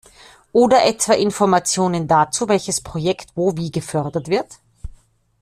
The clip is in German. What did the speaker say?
Oder etwa Informationen dazu, welches Projekt wo wie gefördert wird.